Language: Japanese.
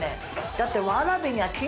だって。